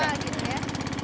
rantua gitu ya